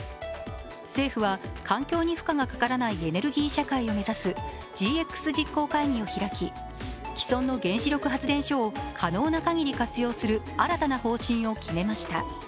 政府は、環境に負荷がかからないエネルギー社会を目指すＧＸ実行会議を開き既存の原子力発電所を可能な限り活用する新たな方針を決めました。